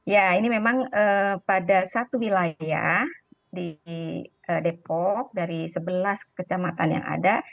ya ini memang pada satu wilayah di depok dari sebelas kecamatan yang ada